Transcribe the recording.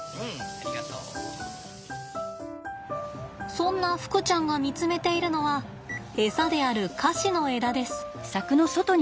そんなふくちゃんが見つめているのはエサであるカシの枝です。